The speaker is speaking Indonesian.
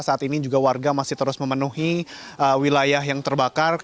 saat ini juga warga masih terus memenuhi wilayah yang terbakar